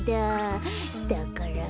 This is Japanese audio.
だから。